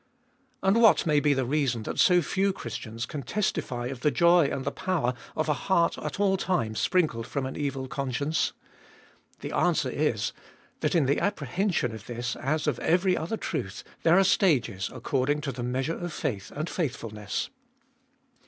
And what may be the reason that so few Christians can testify of the joy and the power of a heart at all times sprinkled from an evil conscience? The answer is, That in the appre hension of this, as of every other truth, there are stages accord ing to the measure of faith and faithfulness.